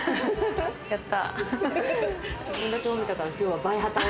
やった！